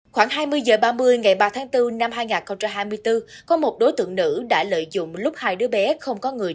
khoảng hai mươi h ba mươi ngày ba tháng bốn năm hai nghìn hai mươi bốn có một đối tượng nữ đã lợi dụng lúc hai đứa bé không có người